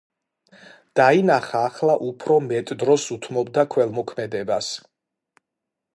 დაიანა ახლა უფრო მეტ დროს უთმობდა ქველმოქმედებას.